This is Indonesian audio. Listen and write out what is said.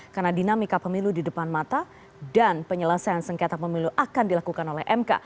karena dinamika pemilu di depan mata dan penyelesaian sengketa pemilu akan dilakukan oleh mk